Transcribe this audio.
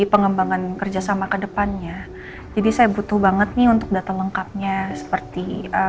pengembangan kerjasama kedepannya jadi saya butuh banget nih untuk data lengkapnya seperti